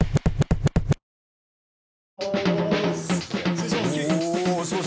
失礼します。